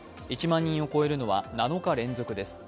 １万人を超えるのは７日連続です。